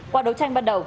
qua đấu tranh ban đầu